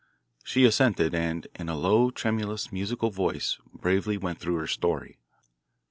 She assented, and in a low, tremulous, musical voice bravely went through her story.